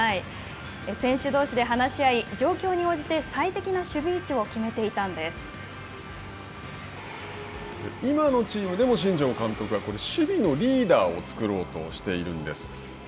選手どうしで話し合い状況に応じて最適な守備位置を今のチームでも、新庄監督は守備のリーダーを作ろうとしているんです。